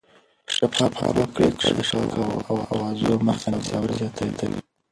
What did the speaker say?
شفافه پرېکړې د شک او اوازو مخه نیسي او باور زیاتوي